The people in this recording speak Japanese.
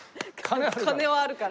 金はあるから。